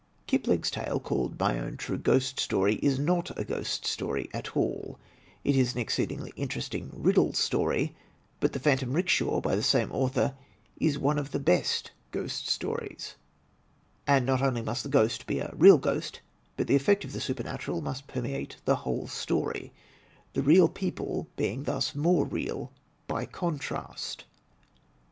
Kipling's tale called "My Own True Ghost Story" is not a ghost story at all; it is an exceedingly interesting riddle story. But "The Phantom 'Rickshaw" by the same author is one of the best of ghost stories. And not only must the ghost be a real ghost, but the e£Fect of the supernatural must permeate the whole story, the real people being thus more real by contrast.